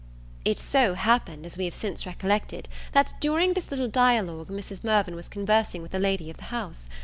It so happened, as we have since recollected, that during this little dialogue Mrs. Mirvan was conversing with the lady of the house.